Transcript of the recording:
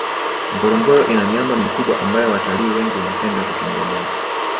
ngorongoro ina miamba mikubwa ambayo watalii wengi wanapenda kutembelea